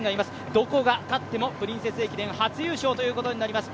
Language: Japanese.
どこが勝ってもプリンセス駅伝初優勝となります。